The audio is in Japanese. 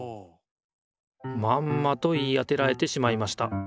まんまと言い当てられてしまいました。